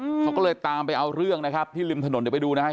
เขาก็เลยตามไปเอาเรื่องนะครับที่ริมถนนเดี๋ยวไปดูนะฮะ